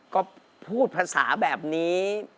ก็พูดภาษาแบบนี้